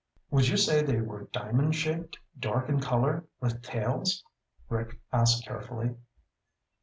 "Would you say they were diamond shaped, dark in color, with tails?" Rick asked carefully.